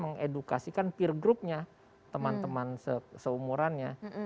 mereka kan mengedukasikan peer group nya teman teman seumurannya